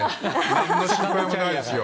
なんの心配もないですよ。